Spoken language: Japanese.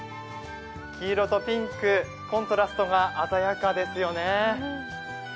黄色とピンクコントラストが鮮やかですよね。